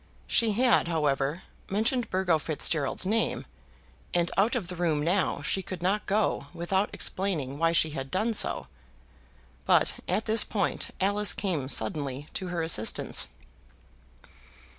She had, however, mentioned Burgo Fitzgerald's name, and out of the room now she could not go without explaining why she had done so. But at this point Alice came suddenly to her assistance.